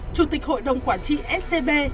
chủ tịch hội đồng quản trị scb